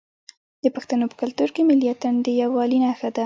د پښتنو په کلتور کې ملي اتن د یووالي نښه ده.